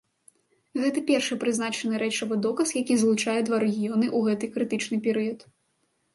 Гэта першы прызнаны рэчавы доказ, які злучае два рэгіёны ў гэты крытычны перыяд.